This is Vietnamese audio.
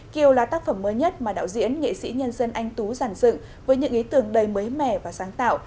kiều là tác phẩm mới nhất mà đạo diễn nghệ sĩ nhân dân anh tú giản dựng với những ý tưởng đầy mới mẻ và sáng tạo